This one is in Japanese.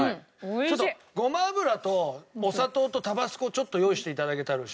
ちょっとごま油とお砂糖とタバスコをちょっと用意して頂けたら嬉しい。